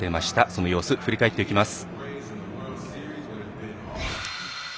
その様子、振り返っていきます。